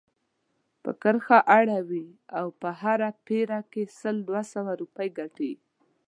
پر کرښه اړوي او په هره پيره کې سل دوه سوه روپۍ ګټي.